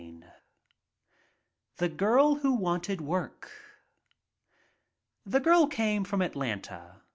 ■_ The Girl Who Wanted Work HE girl came from Atlanta.